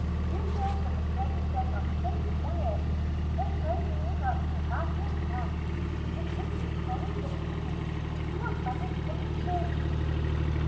You girls of the present day are so queer, there's no being up to half your pranks. It would be a sorry day for me if you were banished from the school, Susy."